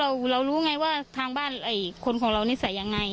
เรารู้ไงว่าทางบ้านคนของเรานิสัยยังไง